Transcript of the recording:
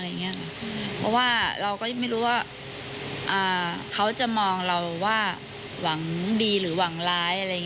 เพราะว่าเราก็ไม่รู้ว่าเขาจะมองเราว่าหวังดีหรือหวังร้ายอะไรอย่างนี้